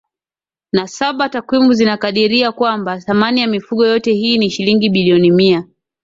na saba Takwimu zinakadiria kwamba thamani ya mifugo yote hii ni shilingi bilioni Mia